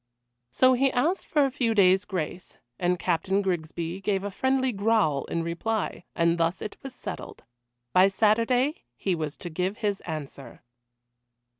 So he asked for a few days' grace, and Captain Grigsby gave a friendly growl in reply, and thus it was settled. By Saturday he was to give his answer.